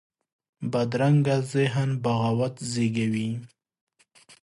بدرنګه ذهن بغاوت زېږوي